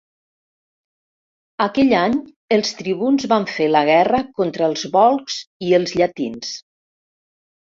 Aquell any els tribuns van fer la guerra contra els volscs i els llatins.